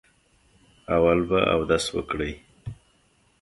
اول به اودس وکړئ.